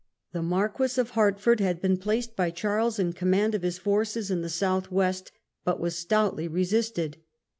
The Marquis of Hertford had been placed by Charles in command of his forces in the South west, but was stoutly resisted.